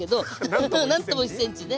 何とも１ｃｍね。